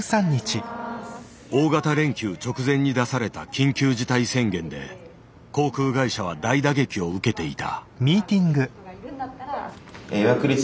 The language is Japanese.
大型連休直前に出された緊急事態宣言で航空会社は大打撃を受けていた。